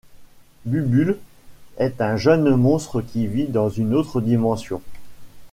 Bubul est un jeune monstre qui vit dans une autre dimension.